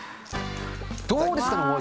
どうですかね。